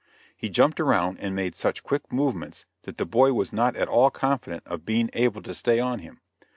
He jumped around and made such quick movements, that the boy was not at all confident of being able to stay on him.